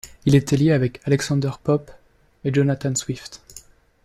Il était lié avec Alexander Pope et Jonathan Swift.